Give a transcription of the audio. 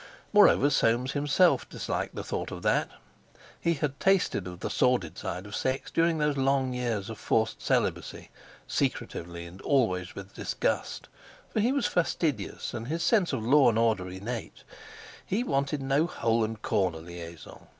Moreover, Soames himself disliked the thought of that. He had tasted of the sordid side of sex during those long years of forced celibacy, secretively, and always with disgust, for he was fastidious, and his sense of law and order innate. He wanted no hole and corner liaison.